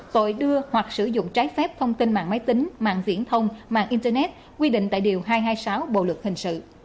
tội đưa hoặc sử dụng trái phép thông tin mạng máy tính mạng viễn thông mạng internet quy định tại điều hai trăm hai mươi sáu bộ luật hình sự